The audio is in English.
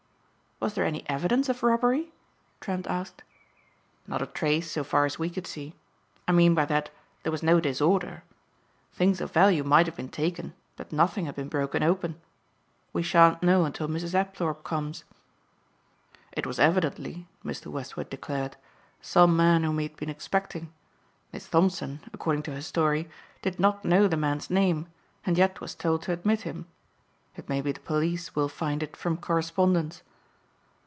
"Was there any evidence of robbery?" Trent asked. "Not a trace so far as we could see. I mean by that there was no disorder. Things of value might have been taken but nothing had been broken open. We shan't know until Mrs. Apthorpe comes." "It was evidently," Mr. Westward declared, "some man whom he had been expecting. Miss Thompson, according to her story, did not know the man's name and yet was told to admit him. It may be the police will find it from correspondence."